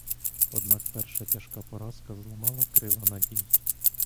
Однак перша тяжка поразка зламала крила надій.